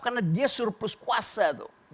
karena dia surplus kuasa